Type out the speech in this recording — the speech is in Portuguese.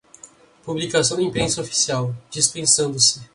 publicação na imprensa oficial, dispensando-se